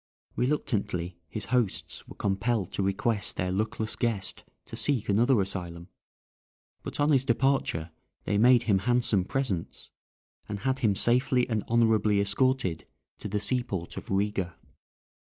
Reluctantly his hosts were compelled to request their luckless guest to seek another asylum, but on his departure they made him handsome presents, and had him safely and honourably escorted to the seaport of Riga.